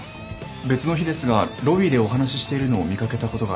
別の日ですがロビーでお話ししているのを見掛けたことがあります。